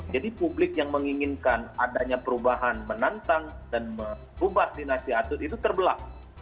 jadi publik yang menginginkan adanya perubahan menantang dan merubah dinasti itu terbelak